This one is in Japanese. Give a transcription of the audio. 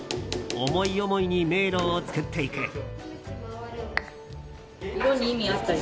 思い思いに迷路を作っていく。